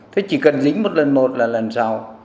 thế chỉ cần dính một lần một là lần sau